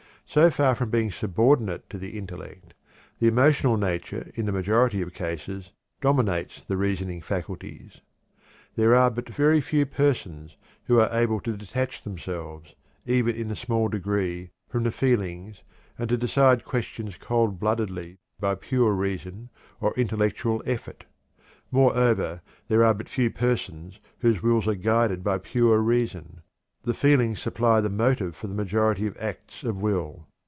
So far from being subordinate to the intellect, the emotional nature in the majority of cases dominates the reasoning faculties. There are but very few persons who are able to detach themselves, even in a small degree, from the feelings, and to decide questions cold bloodedly by pure reason or intellectual effort. Moreover, there are but few persons whose wills are guided by pure reason; the feelings supply the motive for the majority of acts of will.